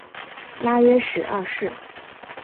拉约什二世。